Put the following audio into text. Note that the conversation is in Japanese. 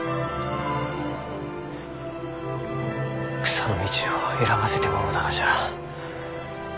草の道を選ばせてもろうたがじゃ。